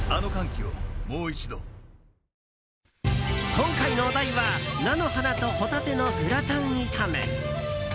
今回のお題は菜の花とホタテのグラタン炒め。